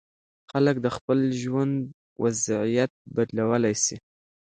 خلک د خپل ژوند وضعیت بدلولی سي.